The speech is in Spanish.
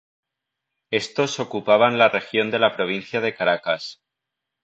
Estos ocupaban la región de la provincia de Caracas.